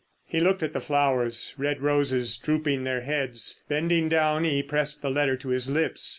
He looked at the flowers: red roses drooping their heads. Bending down he pressed the letter to his lips.